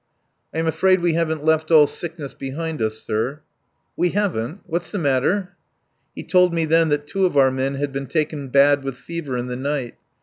"I am afraid we haven't left all sickness behind us, sir." "We haven't! What's the matter?" He told me then that two of our men had been taken bad with fever in the night.